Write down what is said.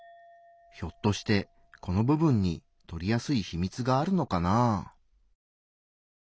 ひょっとしてこの部分に取りやすい秘密があるのかなぁ。